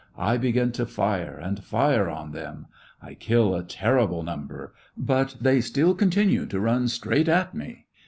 I begin to fire, and fire on them. I kill a terrible number ; but they still continue to run straight at me.